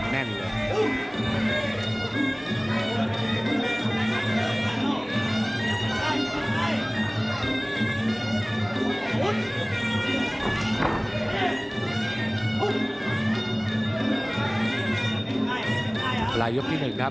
หลายยกที่หนึ่งครับ